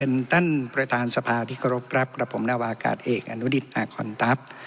เป็นท่านประธานสภาที่เคารพครับกับผมนาวากาศเอกอนุดิตอาคอนทัพ